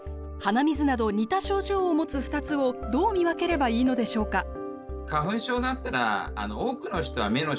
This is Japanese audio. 鼻水など似た症状を持つ２つをどう見分ければいいのでしょうか？